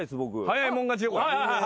早い者勝ちよ。